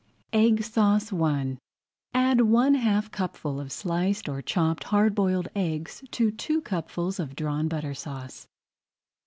EGG SAUCE I Add one half cupful of sliced or chopped hard boiled eggs to two cupfuls of Drawn Butter Sauce.